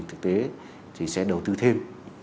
thực tế thì sẽ đầu tư thêm